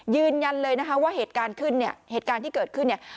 ยืนยันเลยนะคะว่าเหตุการณ์ขึ้นเนี่ยเหตุการณ์ที่เกิดขึ้นเนี่ย